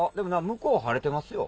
向こう晴れてますよ。